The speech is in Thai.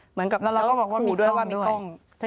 เหมือนกับกล้องหูด้วยว่ามีกล้องแล้วเราก็บอกว่ามีกล้องด้วย